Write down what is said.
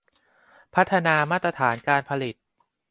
พัฒนามาตรฐานการผลิต